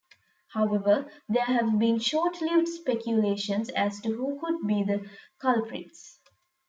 However, there have been short-lived speculations as to who could be the culprits.